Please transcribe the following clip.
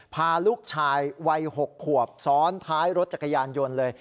พาลูกชายวัย๖ขวบซ้อนท้ายรถจักรยานยนต์เลย